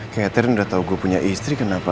kehatiin udah tau gue punya istri kenapa